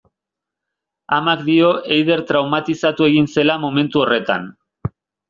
Amak dio Eider traumatizatu egin zela momentu horretan.